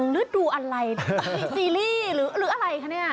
หรือโดรอัลไลต์ซีรีส์หรืออะไรคะนี่